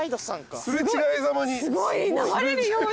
擦れ違いざまに。